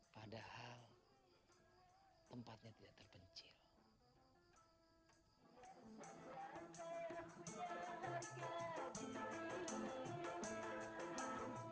padahal tempatnya tidak terpencil